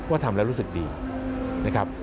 ทำแล้วรู้สึกดีนะครับ